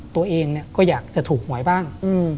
ตัวเองก็อยากจะถูกหวยบ้าง